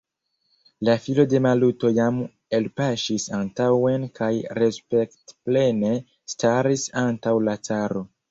La filo de Maluto jam elpaŝis antaŭen kaj respektplene staris antaŭ la caro.